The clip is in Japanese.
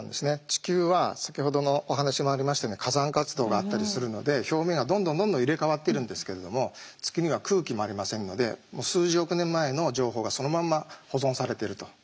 地球は先ほどのお話もありましたように火山活動があったりするので表面がどんどんどんどん入れ替わってるんですけれども月には空気もありませんので数十億年前の情報がそのまんま保存されてるということになります。